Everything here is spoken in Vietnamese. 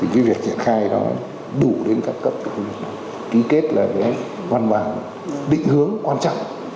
vì việc triển khai đó đủ đến các cấp ký kết là văn bản định hướng quan trọng